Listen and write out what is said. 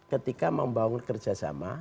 ketika membangun kerjasama